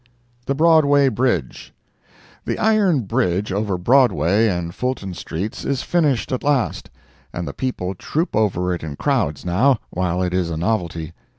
THE BROADWAY BRIDGE The iron bridge over Broadway and Fulton streets is finished at last, and the people troop over it in crowds now, while it is a novelty.